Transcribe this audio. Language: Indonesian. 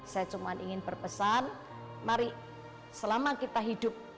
saya cuma ingin berpesan mari selama kita hidup